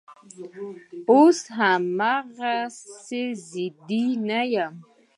اوس هغسې ضدي نه یم